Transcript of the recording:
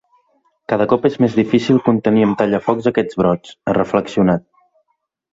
Cada cop és més difícil contenir amb tallafocs aquests brots, ha reflexionat.